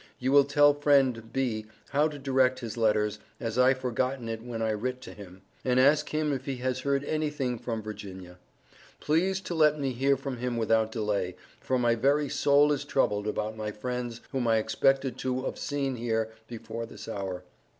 You will tell friend B. how to direct his letters, as I forgotten it when I writt to him, and ask him if he has heard anything from Virginia. Please to let me hear from him without delay for my very soul is trubled about my friends whom I expected to of seen here before this hour.